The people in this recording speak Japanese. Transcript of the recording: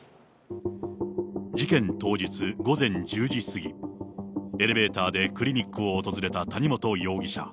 事件当日、午前１０時過ぎ、エレベーターでクリニックを訪れた谷本容疑者。